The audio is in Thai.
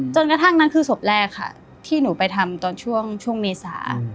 กระทั่งนั้นคือศพแรกค่ะที่หนูไปทำตอนช่วงเมษา